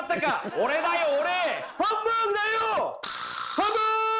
俺だよ俺！